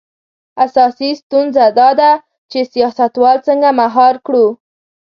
اساسي ستونزه دا ده چې سیاستوال څنګه مهار کړو.